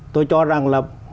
tôi cho rằng là